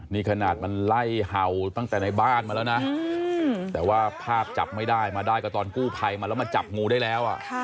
นี่ขนาดมันไล่เห่าตั้งแต่ในบ้านมาแล้วนะแต่ว่าภาพจับไม่ได้มาได้ก็ตอนกู้ภัยมาแล้วมาจับงูได้แล้ว